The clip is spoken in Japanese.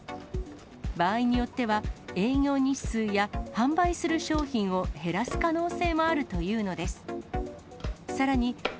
場合によっては、営業日数や販売する商品を減らす可能性もあるというのです。